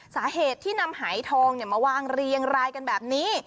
สาเหตุที่นำหายทองมาวางเรียงรายกันแบบนี้